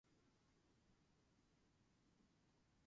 Old Udi used mostly suffixes.